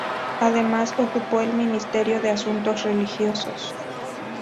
Además ocupó el ministerio de Asuntos Religiosos.